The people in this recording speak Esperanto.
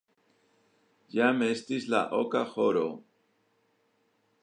Jam estis la oka horo.